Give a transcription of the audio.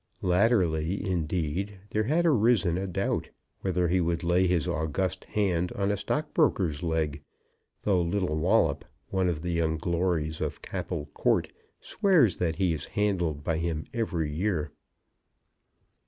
Latterly, indeed, there had arisen a doubt whether he would lay his august hand on a stockbroker's leg; though little Wallop, one of the young glories of Capel Court, swears that he is handled by him every year.